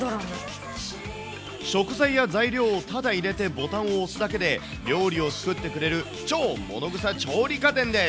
食材や材料をただ入れてボタンを押すだけで、料理を作ってくれる超ものぐさ調理家電です。